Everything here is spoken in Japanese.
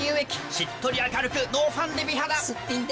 しっとり明るくノーファンデ美肌すっぴんで。